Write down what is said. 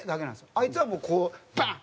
あいつはもうこうバーン！